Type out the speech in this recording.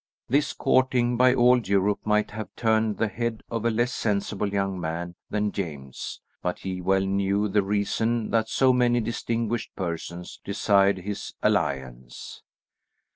This courting by all Europe might have turned the head of a less sensible young man than James, but he well knew the reason that so many distinguished persons desired his alliance.